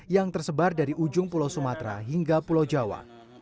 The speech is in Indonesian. yang tersebar dari ujung pulau sumatera hingga pulau jawa